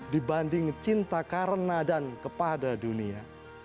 dibanding cinta karena dan kepada dunia